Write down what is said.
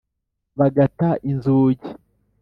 bagata inzugi.